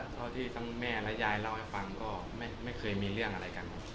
เท่าที่ทั้งแม่และยายเล่าให้ฟังก็ไม่เคยมีเรื่องอะไรกัน